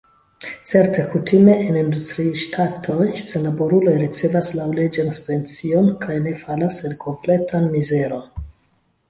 Certe, kutime en industriŝtatoj senlaboruloj ricevas laŭleĝan subvencion kaj ne falas en kompletan mizeron.